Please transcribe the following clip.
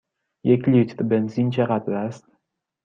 یک لیتر بنزین چقدر است؟